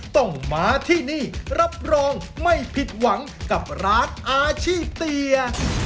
ต้องมาที่นี่รับรองไม่ผิดหวังกับร้านอาชีพเตีย